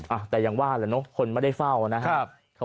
อ่ะแต่อย่างว่าแหละเนอะคนไม่ได้เฝ้านะครับ